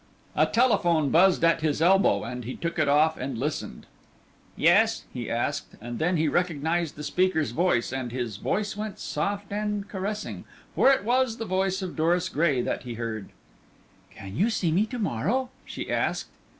A telephone buzzed at his elbow, and he took it off and listened. "Yes?" he asked, and then he recognized the speaker's voice, and his voice went soft and caressing, for it was the voice of Doris Gray that he heard. "Can you see me to morrow?" she asked.